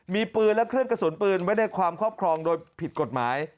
มีปืนและเครื่องกระสุนปืนไว้ในความครอบครองโดยผิดกฎหมาย